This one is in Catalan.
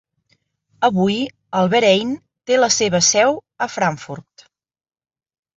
Avui, el Verein té la seva seu a Frankfurt.